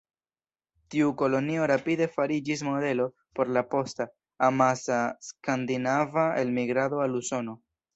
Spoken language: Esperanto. Tiu kolonio rapide fariĝis modelo por la posta, amasa skandinava elmigrado al Usono.